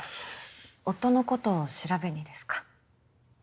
夫のことを調べにですか？